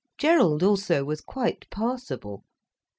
Gerald also was quite passable.